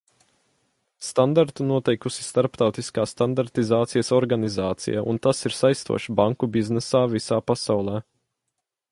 Standartu noteikusi Starptautiskā standartizācijas organizācija un tas ir saistošs banku biznesā visā pasaulē.